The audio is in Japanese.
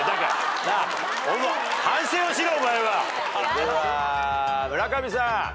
では村上さん。